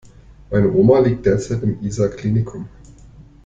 Meine Oma liegt derzeit im Isar Klinikum.